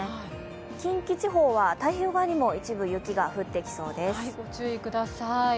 近畿地方は太平洋側にも一部雪が降ってきそうです。